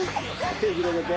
手ぇ広げて。